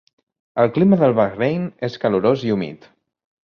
El clima del Bahrain és calorós i humit.